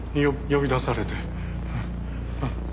呼び出されて。